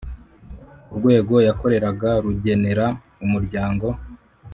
urwego yakoreraga rugenera umuryango